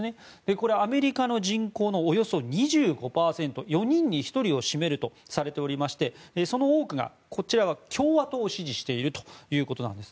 これはアメリカの人口のおよそ２５％４人に１人を占めるとされておりましてその多くが共和党を支持しているということです。